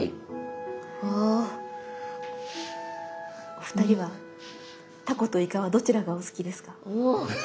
お二人はタコとイカはどちらがお好きですか？